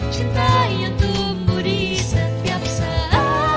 cinta yang tumbuh di setiap saat